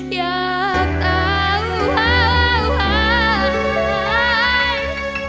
อยากเตาหาย